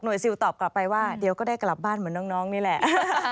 ซิลตอบกลับไปว่าเดี๋ยวก็ได้กลับบ้านเหมือนน้องนี่แหละ